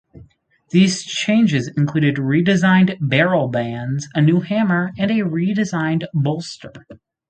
These changes included redesigned barrel bands, a new hammer, and a redesigned bolster.